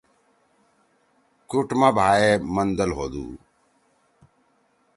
کُوٹ ما بھائے مندل ہودُو۔